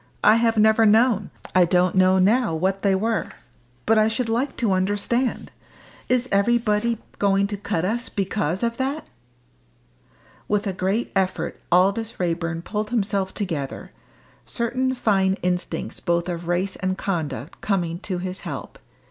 I have never known I don't know now what they were. But I should like to understand. Is everybody going to cut us because of that?" With a great effort Aldous Raeburn pulled himself together, certain fine instincts both of race and conduct coming to his help.